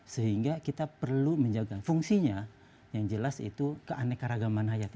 sehingga kita perlu menjaga fungsinya yang jelas itu keanekaragaman hayati